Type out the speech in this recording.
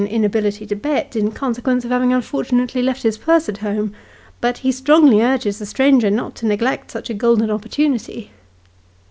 83 inability to bet, in consequence of having unfortunately left his purse at home, but strongly urges the stranger not to neglect such a golden opportunity.